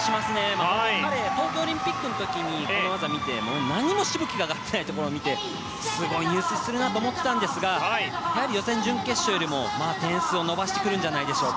また、彼東京オリンピックの時にこの技を見て何もしぶきがないところを見てすごい入水するなと思っていたんですがやはり予選、準決勝よりも点数を伸ばしてくるんじゃないでしょうか。